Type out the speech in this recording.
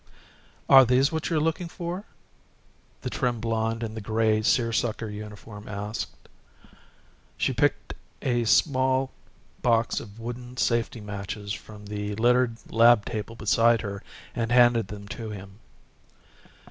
"Are these what you're looking for?" the trim blonde in the gray seersucker uniform asked. She picked a small box of wooden safety matches from the littered lab table beside her and handed them to him.